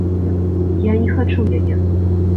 Я не хачу яе!